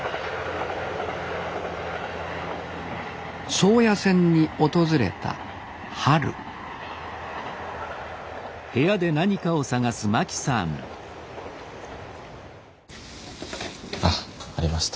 宗谷線に訪れた春ありました。